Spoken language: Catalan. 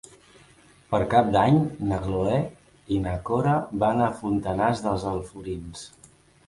Per Cap d'Any na Cloè i na Cora van a Fontanars dels Alforins.